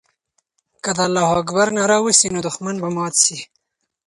که د الله اکبر ناره وسي، نو دښمن به مات سي.